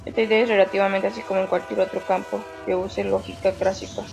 Esta idea es relevante, así como en cualquier otro campo que use lógica clásica.